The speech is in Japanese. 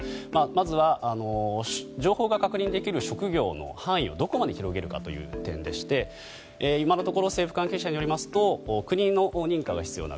まずは情報が確認できる職業の範囲をどこまで広げるかという点でして今のところ政府関係者によりますと国の認可が必要な